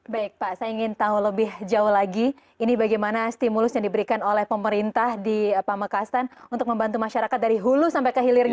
baik pak saya ingin tahu lebih jauh lagi ini bagaimana stimulus yang diberikan oleh pemerintah di pamekasan untuk membantu masyarakat dari hulu sampai ke hilirnya